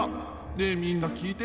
ねえみんなきいて。